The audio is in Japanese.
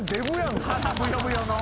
腹ぶよぶよの。